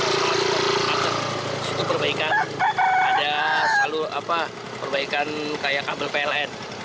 situ perbaikan ada salur perbaikan kayak kabel pln